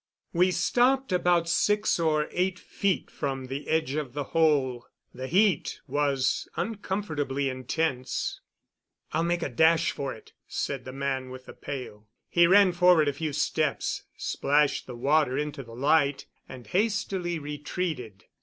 We stopped about six or eight feet from the edge of the hole; the heat was uncomfortably intense. "I'll make a dash for it," said the man with the pail. He ran forward a few steps, splashed the water into the light, and hastily retreated.